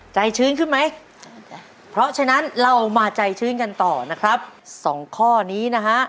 ชื้นขึ้นไหมเพราะฉะนั้นเรามาใจชื้นกันต่อนะครับสองข้อนี้นะฮะ